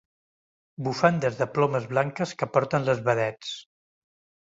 Bufandes de plomes blanques que porten les vedets.